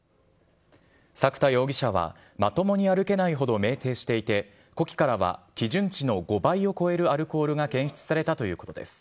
作田容疑者は、まともに歩けないほどめいていしていて、呼気からは基準値の５倍を超えるアルコールが検出されたということです。